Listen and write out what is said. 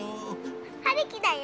はるきだよ！